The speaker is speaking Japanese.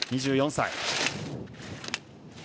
２４歳。